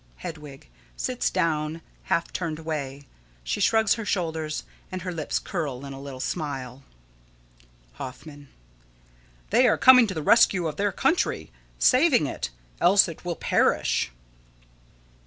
Hedwig: [Sits down, half turned away. She shrugs her shoulders, and her lips curl in a little smile.] Hoffman: They are coming to the rescue of their country. Saving it; else it will perish.